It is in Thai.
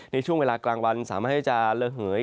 ในช่วงเวลากลางวันสามารถให้จะระเหย